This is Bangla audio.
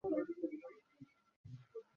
আমার স্ত্রীকে দেখতে চাই।